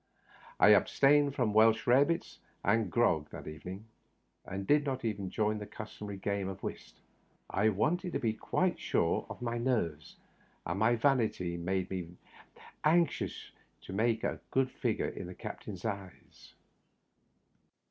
I abstained from Welsh rare bits and grog that evening, and did not even join in the custom ary game of whist. I wanted to be quite sure of my nerves, and my vanity made me anxious to make a good figure in the captain's eyes.